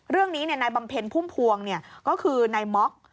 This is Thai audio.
เรื่องนี้นายบำเพ็ญพุ่มพวงก็คือนายม็อก